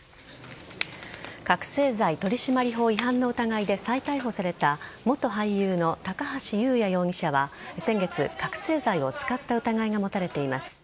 覚せい剤取締法違反の疑いで再逮捕された元俳優の高橋祐也容疑者は先月、覚醒剤を使った疑いが持たれています。